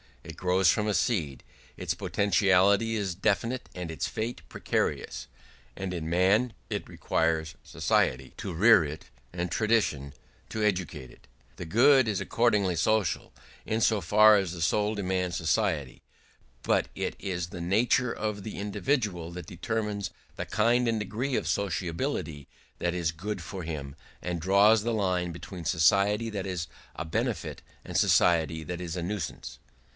It grows from a seed; its potentiality is definite and its fate precarious; and in man it requires society to rear it and tradition to educate it. The good is accordingly social, in so far as the soul demands society; but it is the nature of the individual that determines the kind and degree of sociability that is good for him, and draws the line between society that is a benefit and society that is a nuisance.